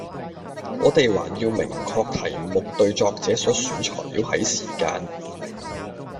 我哋還要明確題目對作者所選材料喺時間